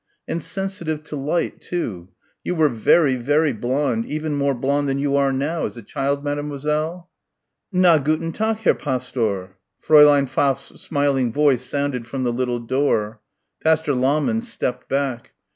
"And sensitive to light, too. You were vairy, vairy blonde, even more blonde than you are now, as a child, mademoiselle?" "Na guten Tag, Herr Pastor." Fräulein Pfaff's smiling voice sounded from the little door. Pastor Lahmann stepped back.